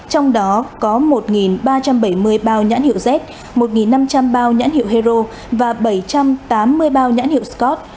trong đó có một ba trăm bảy mươi bao nhãn hiệu z một năm trăm linh bao nhãn hiệu hero và bảy trăm tám mươi bao nhãn hiệu scott